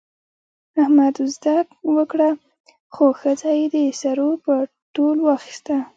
احمد وزده وکړه، خو ښځه یې د سرو په تول واخیسته.